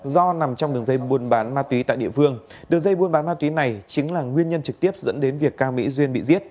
do nằm trong đường dây buôn bán ma túy tại địa phương